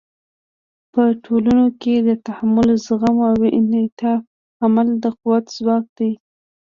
په ټولنو کې د تحمل، زغم او انعطاف عمل د قوت ځواک دی.